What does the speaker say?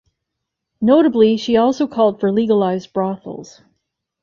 Notably, she also called for legalized brothels.